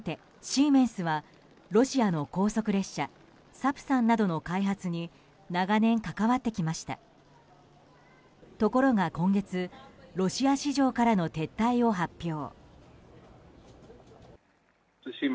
シーメンスはロシアの高速列車「サプサン」などの開発に長年、関わってきましたところが今月ロシア市場からの撤退を発表。